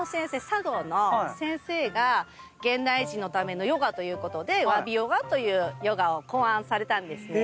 茶道の先生が現代人のためのヨガということで侘びヨガというヨガを考案されたんですよ。